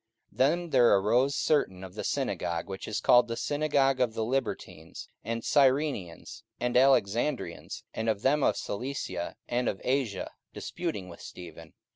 44:006:009 Then there arose certain of the synagogue, which is called the synagogue of the Libertines, and Cyrenians, and Alexandrians, and of them of Cilicia and of Asia, disputing with Stephen.